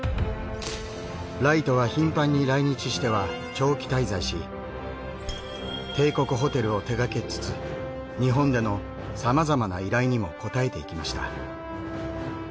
ライトは頻繁に来日しては長期滞在し「帝国ホテル」を手がけつつ日本でのさまざまな依頼にも応えていきました。